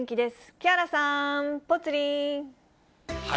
木原さん、ぽつリン。